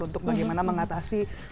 untuk bagaimana mengatasi